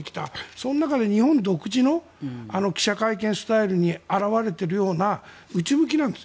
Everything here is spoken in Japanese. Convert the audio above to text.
その中で日本独自の記者会見スタイルに表れているような内向きなんです。